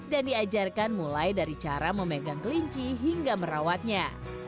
dan diajarkan mulai dari cara memegang kelinci hingga merawatnya